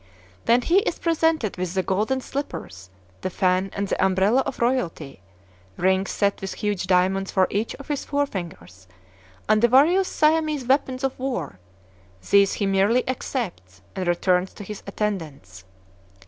Then he is presented with the golden slippers, the fan, and the umbrella of royalty, rings set with huge diamonds for each of his forefingers, and the various Siamese weapons of war: these he merely accepts, and returns to his attendants.